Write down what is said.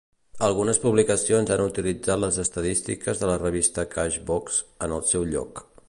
Algunes publicacions han utilitzat les estadístiques de la revista Cash Box en el seu lloc.